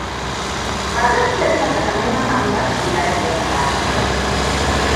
Ba zan iya tuna takamaiman abinda Abdullahi ya fada ba.